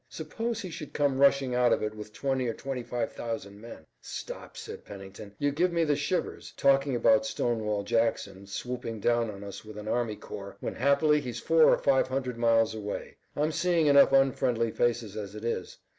Suppose he should come rushing out of it with twenty or twenty five thousand men." "Stop," said Pennington. "You give me the shivers, talking about Stonewall Jackson swooping down on us with an army corps, when happily he's four or five hundred miles away. I'm seeing enough unfriendly faces as it is.